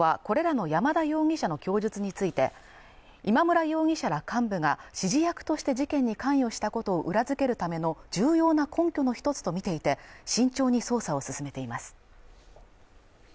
警視庁はこれらの山田容疑者の供述について今村容疑者ら幹部が指示役として事件に関与したことを裏付けるための重要な根拠の一つと見ていて慎重に捜査を進めています